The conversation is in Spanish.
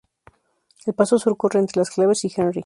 El paso Sur corre entre las Clavel y Henry.